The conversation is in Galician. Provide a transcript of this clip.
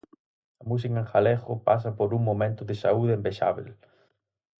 A música en galego pasa por un momento de saúde envexábel.